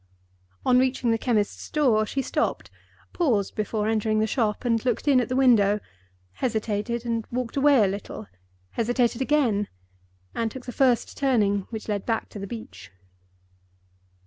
On reaching the chemist's door she stopped—paused before entering the shop, and looked in at the window—hesitated, and walked away a little—hesitated again, and took the first turning which led back to the beach.